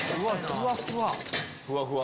ふわふわ！